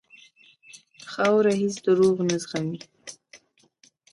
خاوره هېڅ دروغ نه زغمي.